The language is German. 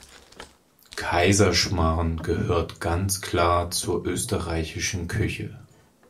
Kaiserschmarrn gehört ganz klar zur österreichischen Küche.